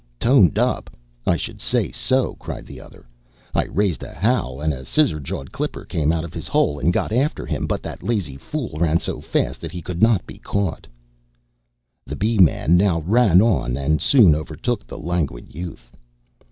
"Toned up! I should say so!" cried the other. "I raised a howl, and a Scissor jawed Clipper came out of his hole, and got after him; but that lazy fool ran so fast that he could not be caught." The Bee man now ran on and soon overtook the Languid Youth.